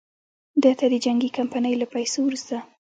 ده ته د جنګي کمپنیو له پیسو وروسته.